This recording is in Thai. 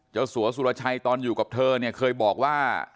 สัวสุรชัยตอนอยู่กับเธอเนี่ยเคยบอกว่า